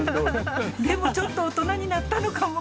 でもちょっと大人になったのかも。